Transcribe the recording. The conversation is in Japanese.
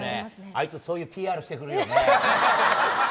あいつそういうＰＲしてくるよね。